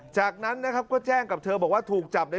จากนั้นนะครับก็แจ้งกับเธอบอกว่าถูกจับเนี่ย